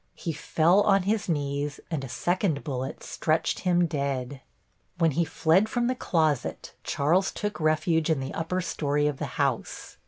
He fell on his knees and a second bullet stretched him dead. When he fled from the closet Charles took refuge in the upper story of the house.